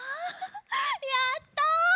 やった！